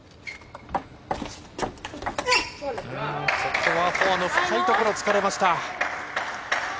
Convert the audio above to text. ここはフォアの深いところを突かれました。